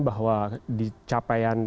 bahwa di capaian